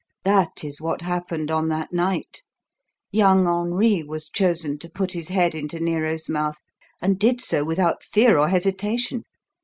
That is what happened on that night. Young Henri was chosen to put his head into Nero's mouth, and did so without fear or hesitation.